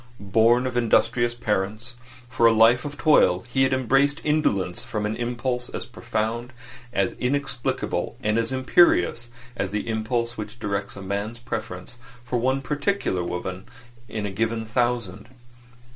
Born of industrious parents for a life of toil, he had embraced indolence from an impulse as profound as inexplicable and as imperious as the impulse which directs a man's preference for one particular woman in a given thousand.